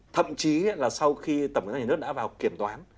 thậm chí là sau khi tổng giám đốc đã vào kiểm toán